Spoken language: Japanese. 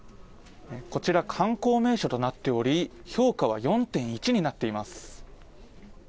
こちら、観光名所となっており評価は４．１になっています。